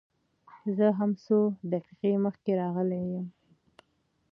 زه هم څو دقيقې مخکې راغلى يم.